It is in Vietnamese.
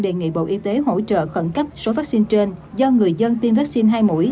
đề nghị bộ y tế hỗ trợ khẩn cấp số vaccine trên do người dân tiêm vaccine hai mũi